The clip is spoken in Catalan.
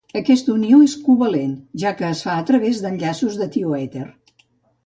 Aquesta unió és covalent, ja que es fa a través d'enllaços tioèter.